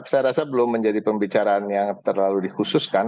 saya rasa belum menjadi pembicaraan yang terlalu dikhususkan